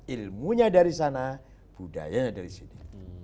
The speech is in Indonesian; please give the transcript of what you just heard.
ilmunya dari sana budayanya dari sini